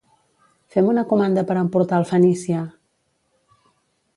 Fem una comanda per emportar al Fenicia!